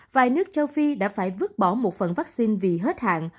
vài nước châu phi đã phải vứt bỏ một phần vaccine vì hết hạn